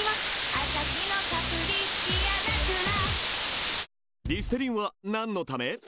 アサヒのサプリ「ディアナチュラ」